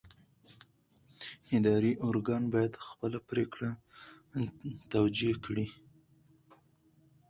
اداري ارګان باید خپله پرېکړه توجیه کړي.